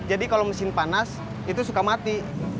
jadi kalau mesin panas itu suka mati